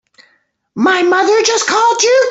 My mother just called you?